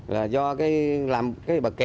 là do cái làm cái bờ kè